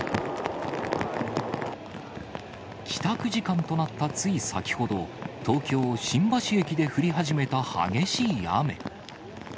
帰宅時間となったつい先ほど、東京・新橋駅で降り始めた激しい雨。